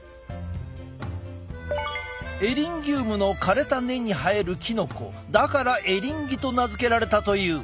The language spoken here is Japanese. エリンギウムの枯れた根に生えるキノコだからエリンギと名付けられたという。